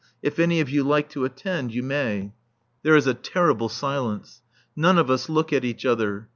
If any of you like to attend you may." There is a terrible silence. None of us look at each other.